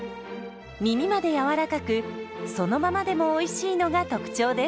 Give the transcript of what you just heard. みみまでやわらかくそのままでもおいしいのが特徴です。